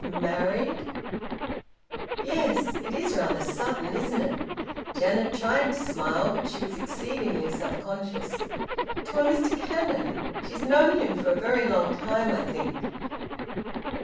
"Married?" "Yes. It is rather sudden, isn't it?" Janet tried to smile, but she was exceedingly self conscious. "To a Mr Cannon. She's known him for a very long time, I think."